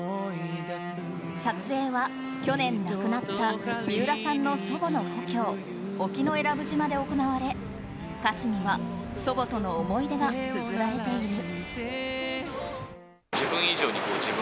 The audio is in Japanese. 撮影は去年亡くなった三浦さんの祖母の故郷沖永良部島で行われ歌詞には祖母との思い出がつづられている。